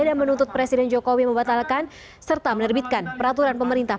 dan menuntut presiden joko widodo membatalkan serta menerbitkan peraturan pemerintah